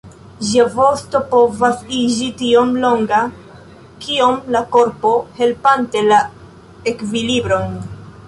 Ĝia vosto povas iĝi tiom longa kiom la korpo, helpante la ekvilibron.